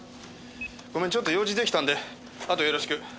ごめんちょっと用事出来たんであとよろしく。